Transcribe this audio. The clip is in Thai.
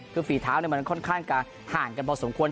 คือฝีเท้ามันค่อนข้างจะห่างกันพอสมควร